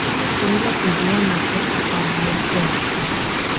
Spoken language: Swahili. ili kuweza kuzuia mateso kwa maelfu ya wasichana